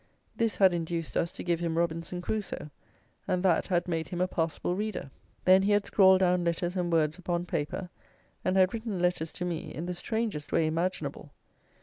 This had induced us to give him Robinson Crusoe; and that had made him a passable reader. Then he had scrawled down letters and words upon paper, and had written letters to me, in the strangest way imaginable.